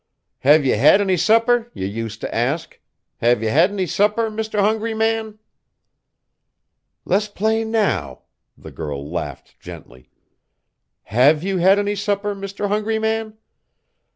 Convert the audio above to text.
"'Have ye had any supper?' yer use t' ask, 'have ye had any supper, Mr. Hungry Man?'" "Let's play now!" The girl laughed gently. "Have you had any supper, Mr. Hungry Man?